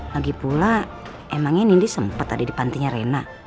lagipula emangnya nindi sempet ada di pantinya rena